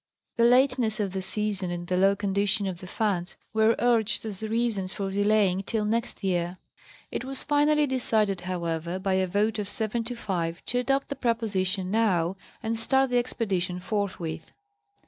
The lateness of the season and the low condition of the funds were urged as reasons for delaying till next year. It was finally decided, however, by a vote of 7 to 5 to adopt the proposition now and start the expedi tion forthwith.